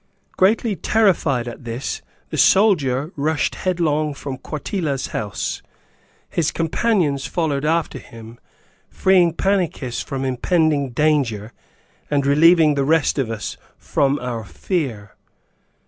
Greatly terrified at this, the soldier rushed headlong from Quartilla's house. His companions followed after him, freeing Pannychis from impending danger and relieving the rest of us from our fear.